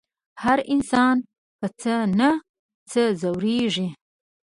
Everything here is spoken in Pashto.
هر انسان په څه نه څه روږدی کېږي.